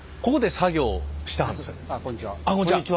ああこんにちは。